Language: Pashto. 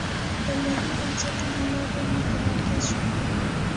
دولتي بنسټونه لا ډېر متمرکز شول.